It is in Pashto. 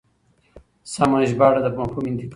سمه ژباړه د مفهوم انتقال دی.